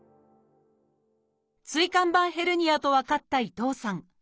椎間板ヘルニアと分かった伊藤さん。